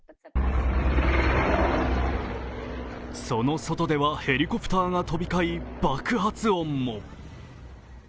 その外ではヘリコプターが飛び交い、爆発音も。